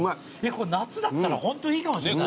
これ夏だったらホントいいかもしんない。